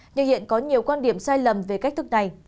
nhưng hiện có nhiều quan điểm sai lầm về cách thức này